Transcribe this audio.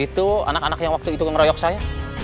itu anak anak yang waktu itu ngeroyok saya